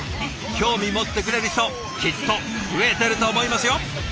興味持ってくれる人きっと増えてると思いますよ。